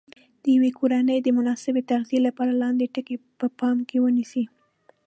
د یوې کورنۍ د مناسبې تغذیې لپاره لاندې ټکي په پام کې ونیسئ.